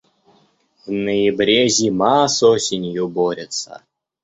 В ноябре зима с осенью борется.